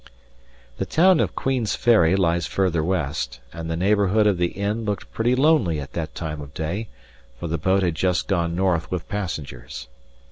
The town of Queensferry lies farther west, and the neighbourhood of the inn looked pretty lonely at that time of day, for the boat had just gone north with passengers.